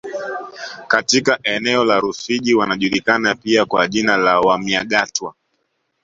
Katika eneo la Rufiji wanajulikana pia kwa jina la Wamyagatwa